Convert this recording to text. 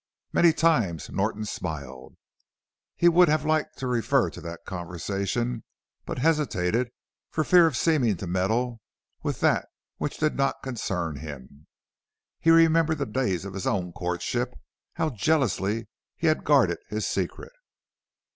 Many times Norton smiled. He would have liked to refer to that conversation, but hesitated for fear of seeming to meddle with that which did not concern him. He remembered the days of his own courtship how jealously he had guarded his secret.